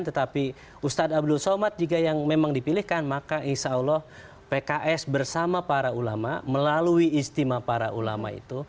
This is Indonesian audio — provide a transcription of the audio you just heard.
tetapi ustadz abdul somad juga yang memang dipilihkan maka insya allah pks bersama para ulama melalui istimewa para ulama itu